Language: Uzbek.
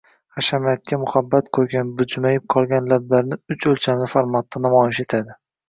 Hashamatga muhabbat qo‘ygan, bujmayib qolgan qalblarini uch o‘lchamli formatda namoyish etadi.